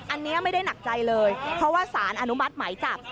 อันนี้ไม่ได้หนักใจเลยเพราะว่าสารอนุมัติหมายจับ